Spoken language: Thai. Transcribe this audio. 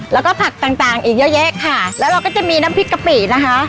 แล้วก็ผักต่างต่างอีกเยอะแยะค่ะแล้วเราก็จะมีน้ำพริกกะปินะคะ